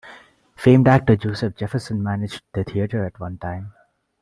Famed actor Joseph Jefferson managed the theatre at one time.